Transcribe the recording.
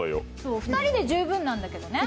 ２人で十分なんだけどね。